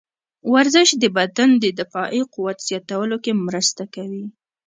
ورزش د بدن د دفاعي قوت زیاتولو کې مرسته کوي.